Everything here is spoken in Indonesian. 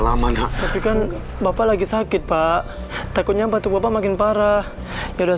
saya nyuruh kerja itu berdua